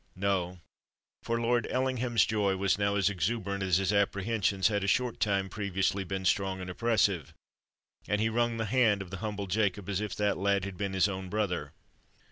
No:—for Lord Ellingham's joy was now as exuberant as his apprehensions had a short time previously been strong and oppressive; and he wrung the hand of the humble Jacob as if that lad had been his own brother!